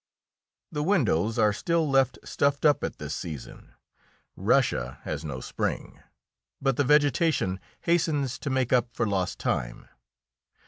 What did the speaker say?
The windows are still left stuffed up at this season. Russia has no spring, but the vegetation hastens to make up for lost time.